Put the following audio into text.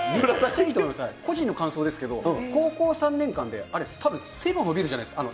個人の感想ですけど、高校３年間であれ、たぶん、背も伸びるじゃないですか。